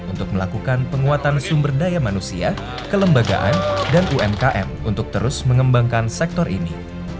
untuk melakukan penguatan sumber daya manusia kelembagaan dan umkm untuk terus mengembangkan sektor ini